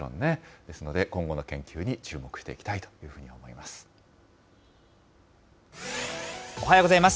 ですので、今後の研究に注目していきたいというふうに思います。